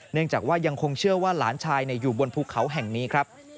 จากว่ายังคงเชื่อว่าหลานชายอยู่บนภูเขาแห่งนี้ครับ